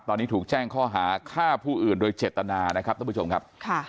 ตอนนี้ถูกแจ้งข้อหาฆ่าผู้อื่นโดยเจตนานะครับท่านผู้ชมครับ